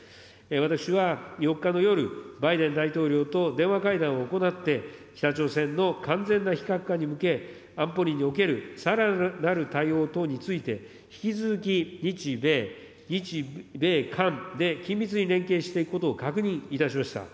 私は４日の夜、バイデン大統領と電話会談を行って、北朝鮮の完全な非核化に向け、安保理におけるさらなる対応等について、引き続き日米、日米韓で緊密に連携していくことを確認いたしました。